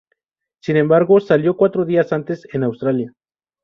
Sin embargo, salió cuatro días antes en Australia.